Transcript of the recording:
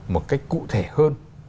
một cách cụ thể hơn